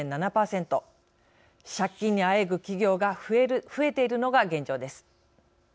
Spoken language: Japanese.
借金にあえぐ企業が増えているのが現状です。